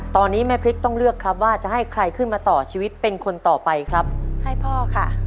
ตอนนี้แม่พริกต้องเลือกครับว่าจะให้ใครขึ้นมาต่อชีวิตเป็นคนต่อไปครับให้พ่อค่ะ